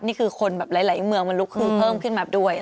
นี่คือคนแบบหลายเมืองมันลุกคือเพิ่มขึ้นมาด้วย